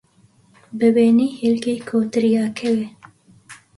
بە وێنەی هێلکەی کۆتر، یا کەوێ